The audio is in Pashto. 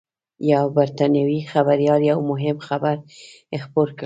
یوه بریټانوي خبریال یو مهم خبر خپور کړ